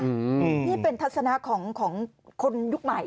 นี่เป็นทัศนะของคนยุคใหม่